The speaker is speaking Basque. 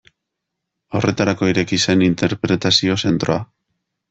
Horretarako ireki zen interpretazio zentroa.